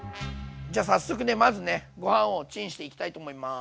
じゃ早速ねまずねご飯をチンしていきたいと思います。